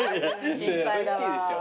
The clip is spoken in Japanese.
おいしいでしょ。